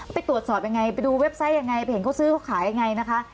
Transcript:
ไปตรวจสอบยังไงไปดูเว็บไซต์ยังไงไปเห็นเขาซื้อเขาขายยังไงนะคะ